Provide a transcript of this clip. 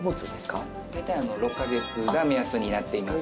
大体６カ月が目安になっています。